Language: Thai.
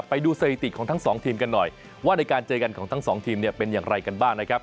ไปดูสถิติของทั้งสองทีมกันหน่อยว่าในการเจอกันของทั้งสองทีมเนี่ยเป็นอย่างไรกันบ้างนะครับ